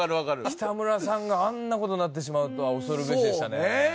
北村さんがあんな事になってしまうとは恐るべしでしたね。